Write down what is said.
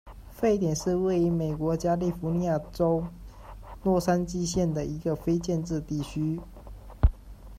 沸点是位于美国加利福尼亚州洛杉矶县的一个非建制地区。